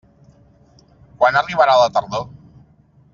Quan arribarà la tardor?